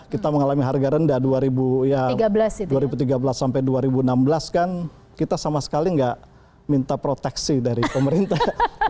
kita mengalami harga rendah dua ribu tiga belas sampai dua ribu enam belas kan kita sama sekali nggak minta proteksi dari pemerintah